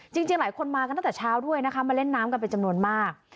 จริงหลายคนมากันตั้งแต่เช้าด้วยนะคะมาเล่นน้ำกันเป็นจำนวนมาก